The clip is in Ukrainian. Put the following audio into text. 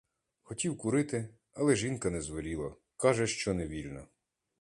Хотів курити, але жінка не звеліла: каже, що не вільно.